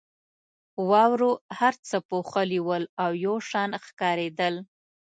واورو هر څه پوښلي ول او یو شان ښکارېدل.